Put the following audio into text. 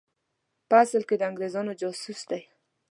په اصل کې د انګرېزانو جاسوس دی.